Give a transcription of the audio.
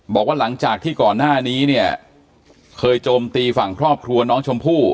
บอกว่าหลังจากที่ก่อนหน้านี้เนี่ยเคยโจมตีฝั่งครอบครัวน้องชมพู่